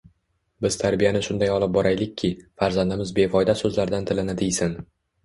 Biz tarbiyani shunday olib boraylikki, farzandimiz befoyda so‘zlardan tilini tiysin